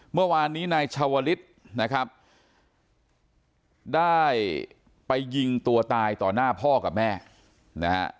เมื่อวานนี้นายชาวลิศนะครับได้ไปยิงตัวตายต่อหน้าพ่อกับแม่นะฮะ